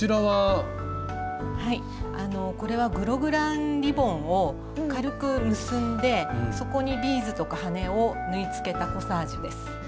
はいあのこれはグログランリボンを軽く結んでそこにビーズとか羽根を縫いつけたコサージュです。